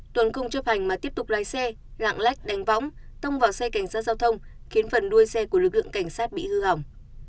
tuần không chấp hành mà tiếp tục lái xe lạng lách đánh võng tông vào xe cảnh sát giao thông khiến phần đuôi xe của lực lượng cảnh sát bị hư hỏng